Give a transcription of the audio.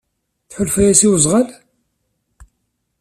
Tḥulfa-yas i wezɣal?